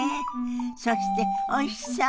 そしておいしそう！